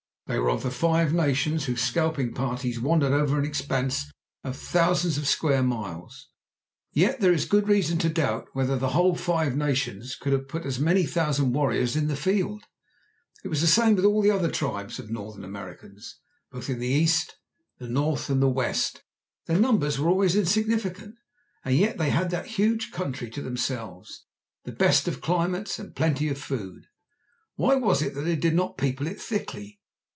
They were of the Five Nations, whose scalping parties wandered over an expanse of thousands of square miles. Yet there is good reason to doubt whether the whole five nations could have put as many thousand warriors in the field. It was the same with all the other tribes of Northern Americans, both in the east, the north, and the west. Their numbers were always insignificant. And yet they had that huge country to themselves, the best of climates, and plenty of food. Why was it that they did not people it thickly?